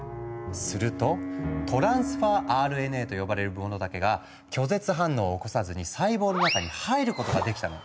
すると「トランスファーＲＮＡ」と呼ばれるものだけが拒絶反応を起こさずに細胞の中に入ることができたの。